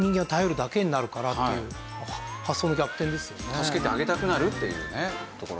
助けてあげたくなるっていうねところですよね。